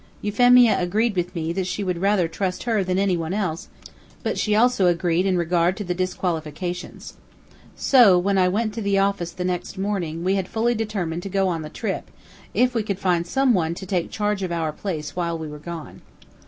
Euphemia agreed with me that she would rather trust her than any one else, but she also agreed in regard to the disqualifications. So, when I went to the office the next morning, we had fully determined to go on the trip, if we could find some one to take charge of our place while we were gone.